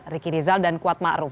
ricky rizal dan kuat ma'ruf